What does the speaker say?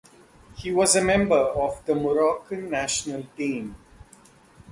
He was a member of the Moroccan national team.